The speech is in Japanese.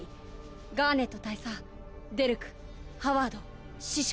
ガーネット大佐デルクハワード師匠